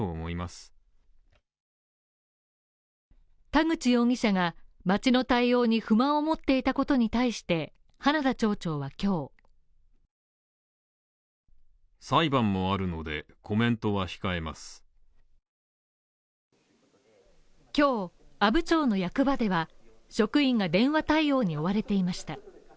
田口容疑者が町の対応に不満を持っていたことに対して、花田町長は今日今日は阿武町の役場では、職員が電話対応に追われていました。